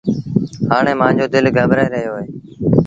هآڻي مآݩجو دل گٻرآئي رهيو اهي۔